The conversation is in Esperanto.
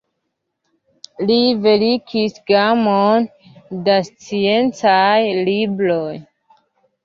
Li verkis gamon da sciencaj libroj.